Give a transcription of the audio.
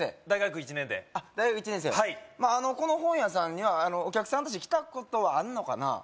大学１年で大学１年生はいこの本屋さんにはお客さんとして来たことはあんのかな？